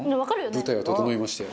「舞台は整いましたよ」